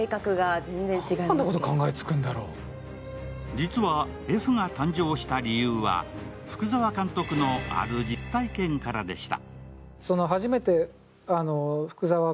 実は、Ｆが誕生した理由は、福澤監督のある実体験からでした。